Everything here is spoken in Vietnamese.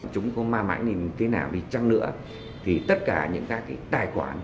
chúng có ma mãi mình thế nào đi chăng nữa thì tất cả những tài khoản